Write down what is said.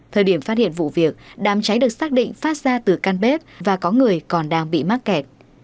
thời điểm phát hiện vụ việc đám cháy được xác định phát ra từ căn bếp và có người còn đang bị mắc kẹt